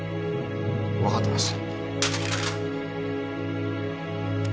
わかってます。